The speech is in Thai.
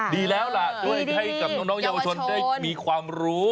ดีแล้วล่ะด้วยให้กับน้องเยาวชนได้มีความรู้